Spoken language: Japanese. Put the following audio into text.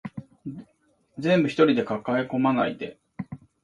全部一人で抱え込まないで